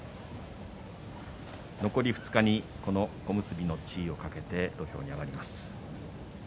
残り２日にこの小結の地位をかけて土俵に上がります。